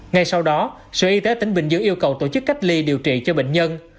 ngay sau đó sở y tế tỉnh bình dương yêu cầu tổ chức cách ly điều trị cho bệnh nhân